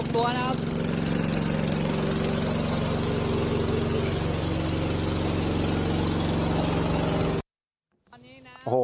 ทั้งหมด